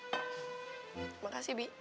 terima kasih bi